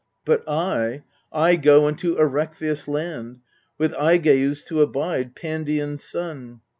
But I I go unto Erechtheus' land, With Aigeus to abide, Pandion's son.